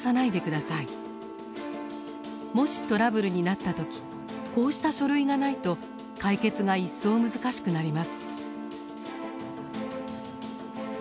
もしトラブルになった時こうした書類がないと解決が一層難しくなります。